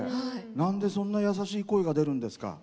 なんで、そんな優しい声が出るんですか？